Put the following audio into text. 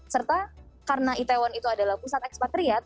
serta karena itaewon itu adalah pusat ekspatriat